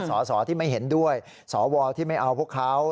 สอสอที่ไม่เห็นด้วยสวที่ไม่เอาพวกเขา